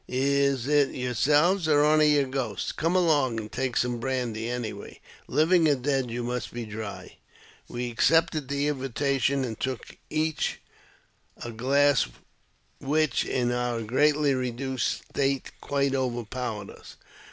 Is it yourselves, or only your ghosts? Come along and take some brandy, any way ; living or dead, you must be dry." We accepted the invitation, and took each a glass, which, in our greatly reduced state, quite overpowered us.